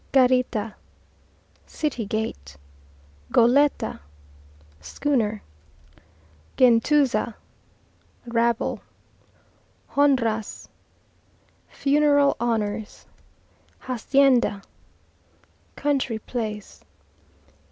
Garita City gate. Goleta Schooner. Gentuza Rabble. Honras Funeral honours. Hacienda Country place.